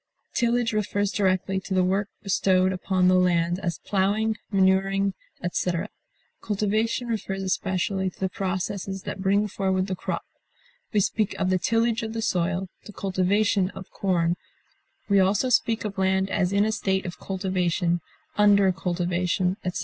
Tillage refers directly to the work bestowed upon the land, as plowing, manuring, etc.; cultivation refers especially to the processes that bring forward the crop; we speak of the tillage of the soil, the cultivation of corn; we also speak of land as in a state of cultivation, under cultivation, etc.